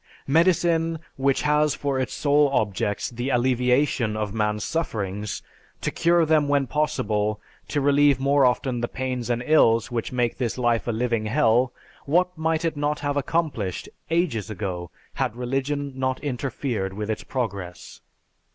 Medicine which has for its sole objects the alleviation of man's sufferings, to cure them when possible, to relieve more often the pains and ills which make this life a living hell, what might it not have accomplished ages ago had religion not interfered with its progress?